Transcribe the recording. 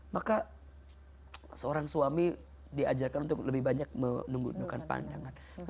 maka seorang suami diajarkan untuk lebih banyak menunggu kita ya